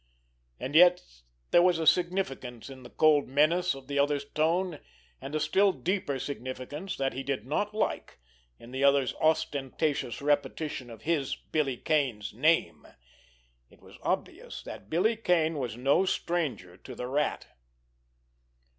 And yet there was a significance in the cold menace of the other's tone, and a still deeper significance, that he did not like, in the other's ostentatious repetition of his, Billy Kane's, name. It was obvious that Billy Kane was no stranger to the Rat!